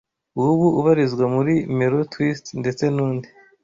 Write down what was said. W ubu ubarizwa muri Melo Twist ndetse n’undi